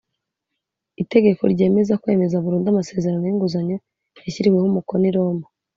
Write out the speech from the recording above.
Itegeko ryemera kwemeza burundu amasezerano y inguzanyo yashyiriweho umukono i roma